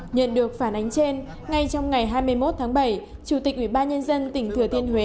nhận được phản ánh trên ngay trong ngày hai mươi một tháng bảy chủ tịch ủy ban nhân dân tỉnh thừa thiên huế